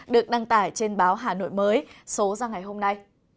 được đăng tải trên báo hà nội mới số ra ngày hôm nay